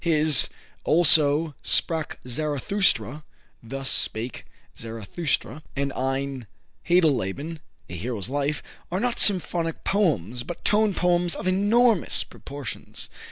His "Also Sprach Zarathustra" ("Thus Spake Zarathustra") and "Ein Heldenleben" ("A Hero's Life") are not symphonic poems, but tone poems of enormous proportions.